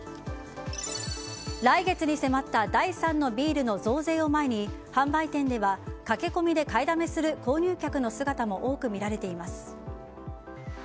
来月に迫った第３のビールの増税を前に販売店では駆け込みで買いだめする購入客の姿も多くみられています。